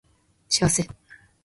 幸せ